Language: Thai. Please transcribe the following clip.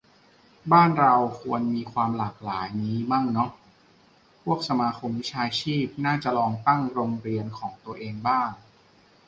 บ้านเราควรมีความหลากหลายงี้มั่งเนอะ พวกสมาคมวิชาชีพน่าจะลองตั้งโรงเรียนของตัวเองบ้าง